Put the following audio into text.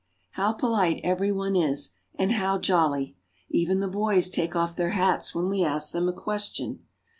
How polite every one is, and how jolly ! Even the boys take off their hats when we ask them a question.